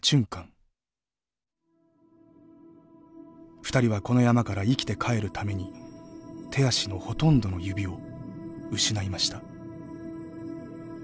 ２人はこの山から生きて帰るために手足のほとんどの指を失いました。